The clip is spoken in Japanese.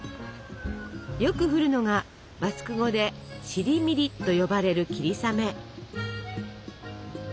よく降るのがバスク語で「シリミリ」と呼ばれる霧雨。